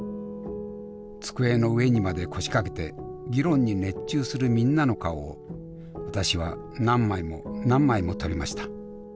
机の上にまで腰掛けて議論に熱中するみんなの顔を私は何枚も何枚も撮りました。